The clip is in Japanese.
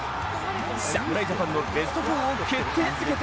侍ジャパンのベスト４を決定づけた